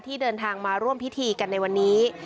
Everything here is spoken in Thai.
เดินทางมาร่วมพิธีกันในวันนี้